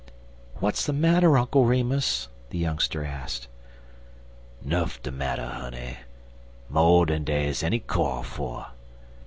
"What's the matter, Uncle Remus?" the youngster asked. "Nuff de matter, honey mo' dan dey's enny kyo' fer.